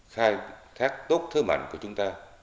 khai thác tốt thứ mạnh của chúng ta